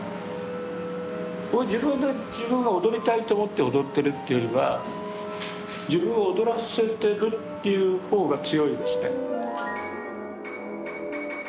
自分で自分が踊りたいと思って踊ってるっていうよりは自分を踊らせてるっていう方が強いですね。